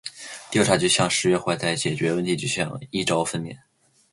调查就像“十月怀胎”，解决问题就像“一朝分娩”。